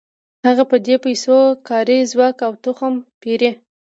هغه په دې پیسو کاري ځواک او تخم پېري